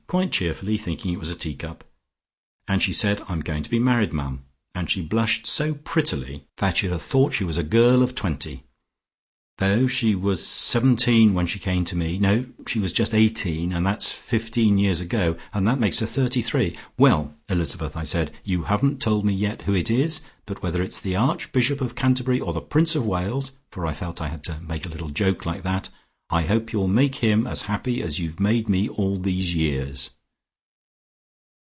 quite cheerfully, thinking it was a tea cup. And she said, 'I'm going to be married, ma'am,' and she blushed so prettily that you'd have thought she was a girl of twenty, though she was seventeen when she came to me, no, she was just eighteen, and that's fifteen years ago, and that makes her thirty three. 'Well, Elizabeth,' I said, 'you haven't told me yet who it is, but whether it's the Archbishop of Canterbury or the Prince of Wales for I felt I had to make a little joke like that I hope you'll make him as happy as you've made me all these years.'"